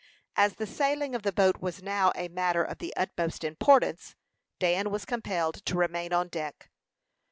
As the sailing of the boat was now a matter of the utmost importance, Dan was compelled to remain on deck.